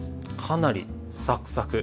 かなりサクサク。